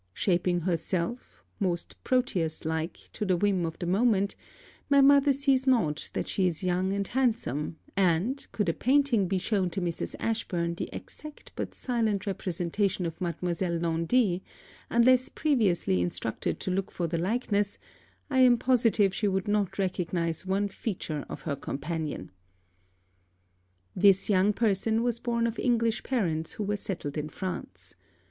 Shaping herself, most Proteus like, to the whim of the moment, my mother sees not that she is young and handsome; and, could a painting be shown to Mrs. Ashburn the exact but silent representation of Mademoiselle Laundy, unless previously instructed to look for the likeness, I am positive she would not recognize one feature of her companion. This young person was born of English parents who were settled in France.